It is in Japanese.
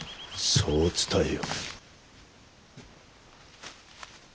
そう伝えよ。